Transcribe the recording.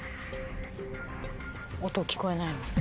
音聞こえないのに。